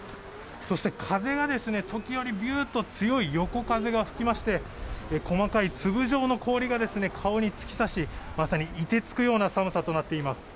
そして風が時折、ビューッと強い横風が吹きまして細かい粒状の氷が顔に突き刺しまさにいてつくような寒さとなっています。